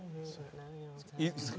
いいですか？